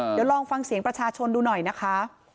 เดี๋ยวลองฟังเสียงประชาชนดูหน่อยนะคะ